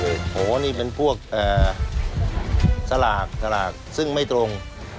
โอ้โหนี่เป็นพวกสลากสลากซึ่งไม่ตรง